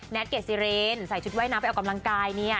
เกดซีเรนใส่ชุดว่ายน้ำไปออกกำลังกายเนี่ย